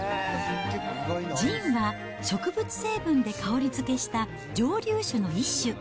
ジンは植物成分で香り付けした蒸留酒の一種。